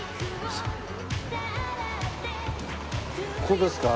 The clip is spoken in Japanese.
ここですか？